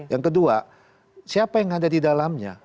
yang kedua siapa yang ada di dalamnya